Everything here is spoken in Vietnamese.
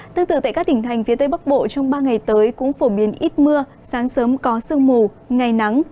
tương tự tại các tỉnh thành phía tây bắc bộ trong ba ngày tới cũng phổ biến ít mưa sáng sớm có sương mù ngày nắng